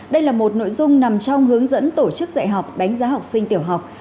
đây là một nội dung nằm trong hướng dẫn tổ chức dạy học đánh giá học sinh tiểu học